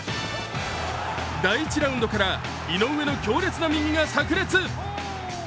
第１ラウンドから井上の強烈な右が炸裂。